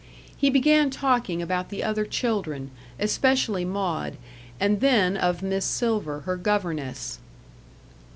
He began talking about the other children especially Maud and then of Miss Silver, her governess.